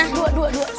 ini pak takjilnya